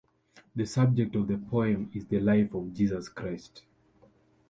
The subject of the poem is the life of Jesus Christ.